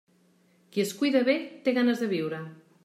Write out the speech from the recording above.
Qui es cuida bé, té ganes de viure.